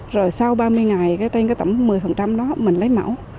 rồi sau ba mươi ngày trên tổng một mươi đó mình lấy mẫu